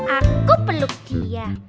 aku peluk dia